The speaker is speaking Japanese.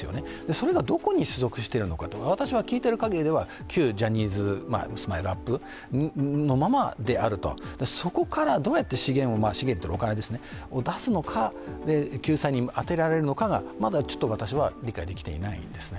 それがどこに所属してるのか私は聞いてるかぎりでは旧ジャニーズ、ＳＭＩＬＥ−ＵＰ．のままであると、そこからどうやって資源を出すのか、お金ですね、救済に充てられるのかがまだ理解できていないんですね。